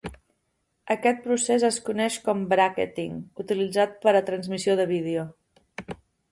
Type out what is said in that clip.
Aquest procés es coneix com bràqueting, utilitzat per a transmissió de vídeo.